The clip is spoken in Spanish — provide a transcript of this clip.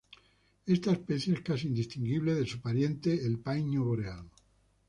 Esta especie es casi indistinguible de su pariente el paíño boreal.